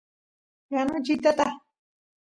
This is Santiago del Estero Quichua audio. yanuchiy tata